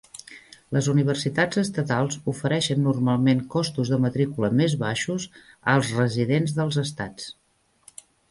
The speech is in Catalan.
Les universitats estatals ofereixen normalment costos de matrícula més baixos als residents dels estats.